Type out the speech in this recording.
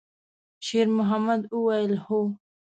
شېرمحمد وویل: «هو.»